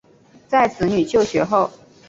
在子女就学后